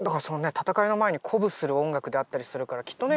戦いの前に鼓舞する音楽であったりするからきっとね